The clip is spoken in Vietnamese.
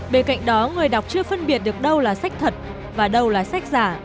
bên cạnh đó người đọc chưa phân biệt được đâu là sách thật và đâu là sách giả